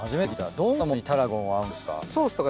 どんなものにタラゴンは合うんですか。